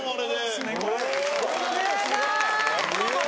・すごい！